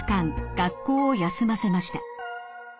学校を休ませました。